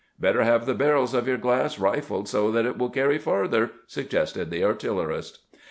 " Better have the barrels of your glass rifled so that it will carry farther," suggested the artillerist.